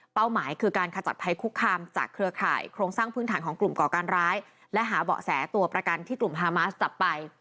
หมายคือการขจัดภัยคุกคามจากเครือข่ายโครงสร้างพื้นฐานของกลุ่มก่อการร้ายและหาเบาะแสตัวประกันที่กลุ่มฮามาสจับไป